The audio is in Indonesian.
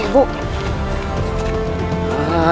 litis atuh dah